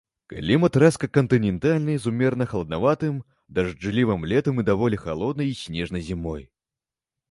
Клімат рэзка-кантынентальны з умерана-халаднаватым, дажджлівым летам і даволі халоднай і снежнай зімой.